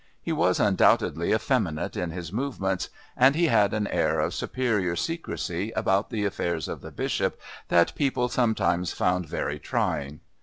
He was undoubtedly effeminate in his movements, and he had an air of superior secrecy about the affairs of the Bishop that people sometimes found very trying.